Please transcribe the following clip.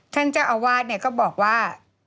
ท่านเจ้าอาวาสก็บอกว่า